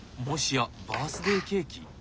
もしやバースデーケーキ？